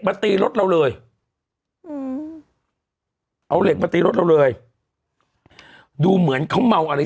ตีรถเราเลยอืมเอาเหล็กมาตีรถเราเลยดูเหมือนเขาเมาอะไร